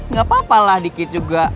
gak apa apalah dikit juga